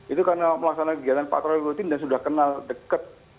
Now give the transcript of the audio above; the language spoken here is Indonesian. itu karena melaksanakan kegiatan patroli rutin dan sudah kenal deket